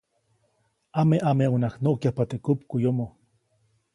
Ameʼameʼuŋnaʼajk nuʼkyajpa teʼ kupmuʼyomo.